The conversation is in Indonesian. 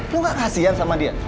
lu gak kasian sama dia